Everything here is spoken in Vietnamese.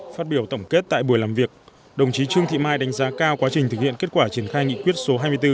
phát biểu tổng kết tại buổi làm việc đồng chí trương thị mai đánh giá cao quá trình thực hiện kết quả triển khai nghị quyết số hai mươi bốn